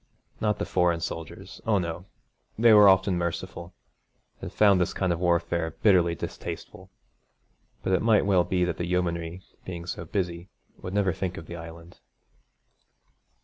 Not the foreign soldiers oh no, they were often merciful, and found this kind of warfare bitterly distasteful. But it might well be that the yeomanry, being so busy, would never think of the Island.